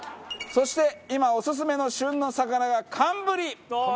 そして今オススメの旬の魚が寒ブリ！